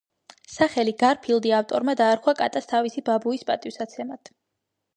სახელი „გარფილდი“ ავტორმა დაარქვა კატას თავისი ბაბუის პატივსაცემად.